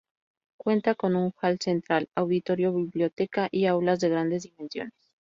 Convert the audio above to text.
Cuenta con un hall central, auditorio, biblioteca y aulas de grandes dimensiones.